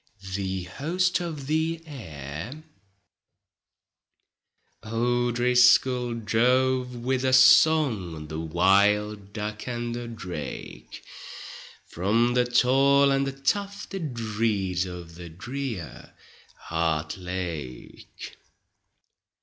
THE HOST OF THE AIR O'Driscoll drove with a song, The wild duck and the drake, From the tall and the tufted reeds Of the drear Hart Lake.